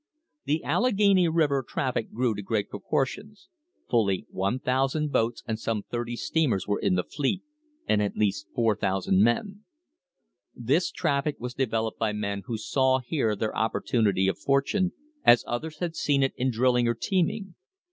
The Allegheny River traffic grew to great proportions — fully 1,000 boats and some thirty steamers were in the fleet, and at least 4,000 men. This traffic was developed by men tho saw here their opportunity of fortune, as others had en it in drilling or teaming.